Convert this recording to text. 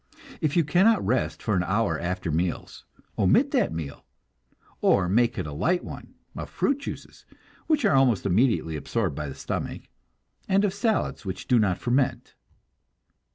If you cannot rest for an hour after meals, omit that meal, or make it a light one, of fruit juices, which are almost immediately absorbed by the stomach, and of salads, which do not ferment.